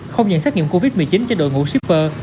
không những xét nghiệm covid một mươi chín cho đội ngũ shipper